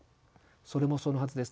それもそのはずです。